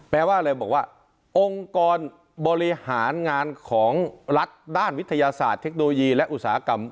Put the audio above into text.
แปลว่าอะไรบอกว่าองค์กรบริหารงานของรัฐด้านวิทยาศาสตร์เทคโนโลยีและอุตสาหกรรม